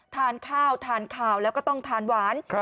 ทานข้าวทานขาวแล้วก็ต้องทานหวาน